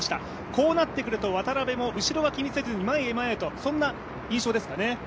こうなってくると、渡邊も後ろは気にせず、前へ前へという感じですかね？